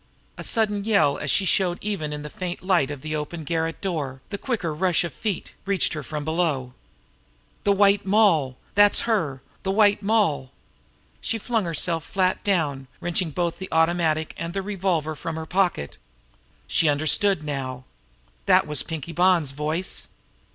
A sudden yell as she showed even in the faint light of the open garret door, the quicker rush of feet, reached her from below. "The White Moll! That's her! The White Moll!" She flung herself flat down, wrenching both the automatic and the revolver from her pocket. She understood now! That was Pinkie Bonn's voice.